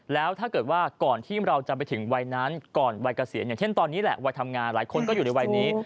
แล้วถ้าเกิดว่าก่อนที่เราจะไปถึงวัยนั้นก่อนวัยเกษียณอย่างเช่นตอนนี้แหละวัยทำงานหลายคนก็อยู่ในวัยนี้